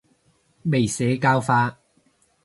未社教化